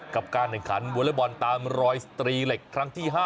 กับการแข่งขันวอเล็กบอลตามรอยสตรีเหล็กครั้งที่๕